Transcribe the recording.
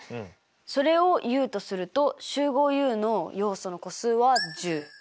それをＵとすると集合Ｕの要素の個数は１０。